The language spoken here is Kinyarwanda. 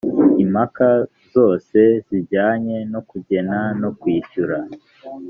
impaka zose zijyanye no kugena no kwishyura